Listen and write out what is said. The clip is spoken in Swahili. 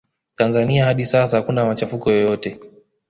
tanzania hadi sasa hakuna machafuko yoyote